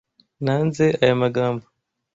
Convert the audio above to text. Nanze aya magambo.